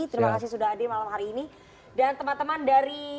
terima kasih sudah hadir malam hari ini dan teman teman dari